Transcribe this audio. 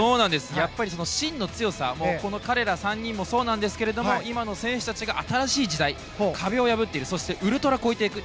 やっぱり芯の強さ彼ら３人もそうなんですが今の選手たちが新しい時代、壁を破っているそして、ウルトラ超えていく。